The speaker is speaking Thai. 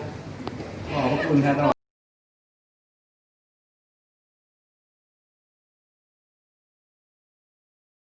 ขอบคุณค่ะตลอด